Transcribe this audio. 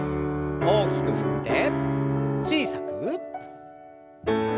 大きく振って小さく。